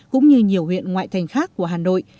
cũng như nhiều huyện ngoại thành khác của hà nội